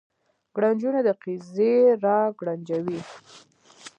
ګړنجونې د قیزې را ګړنجوي